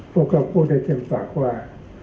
พวกเขาพูดได้เต็มปากว่า